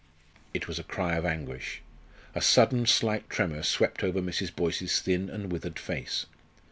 It was a cry of anguish. A sudden slight tremor swept over Mrs. Boyce's thin and withered face.